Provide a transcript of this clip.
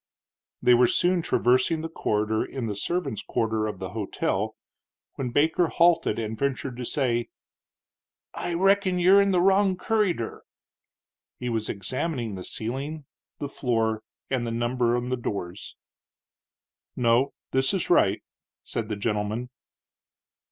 They were soon traversing the corridor in the servants' quarter of the hotel, when Baker halted and ventured to say: "I reckin you'r in the wrong curryder." He was examining the ceiling, the floor, and the numbers on the doors. "No, this is right," said the gentleman.